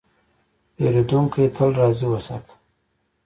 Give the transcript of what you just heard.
پیرودونکی تل راضي وساته.